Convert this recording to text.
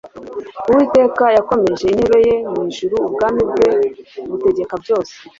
uwiteka yakomeje intebe ye mu ijuru ubwami bwe butegeka byose